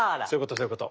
そういうこと。